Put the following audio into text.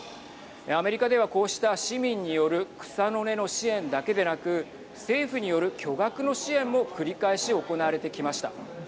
アメリカではこうした市民による草の根の支援だけでなく政府による巨額の支援も繰り返し行われてきました。